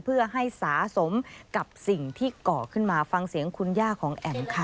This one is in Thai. เพื่อให้สะสมกับสิ่งที่ก่อขึ้นมาฟังเสียงคุณย่าของแอ๋มค่ะ